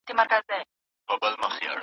د کروناوایروس نور ډولونه معافیت محرک کوي.